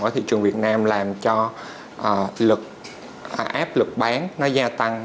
ở thị trường việt nam làm cho lực áp lực bán nó gia tăng